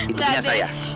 itu punya saya